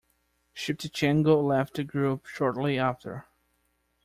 Schiptjenko left the group shortly after.